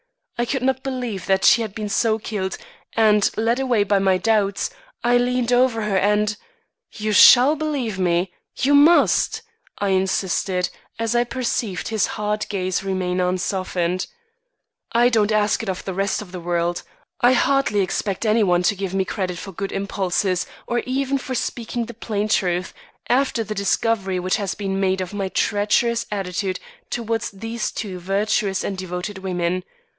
I could not believe that she had been so killed and, led away by my doubts, I leaned over her and You shall believe me, you must," I insisted, as I perceived his hard gaze remain unsoftened. "I don't ask it of the rest of the world. I hardly expect any one to give me credit for good impulses or even for speaking the plain truth after the discovery which has been made of my treacherous attitude towards these two virtuous and devoted women.